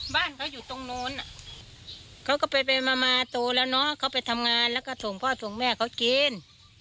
บ้านเขาอยู่ตรงนู้นเขาก็ไปมาโตแล้วเนอะเขาไปทำงานแล้วก็ส่งพ่อส่งแม่เขากิน